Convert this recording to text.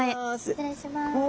失礼します。